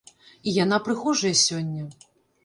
І яна прыгожая сёння!